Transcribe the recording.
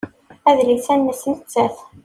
Adlis-a nnes nettat.